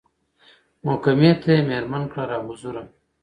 محکمې ته یې مېرمن کړه را حضوره